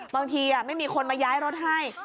บางทีไม่มีคนมาย้ายรถให้